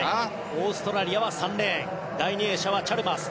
オーストラリアは３レーン第２泳者、チャルマース。